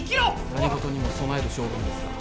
何事にも備える性分ですから。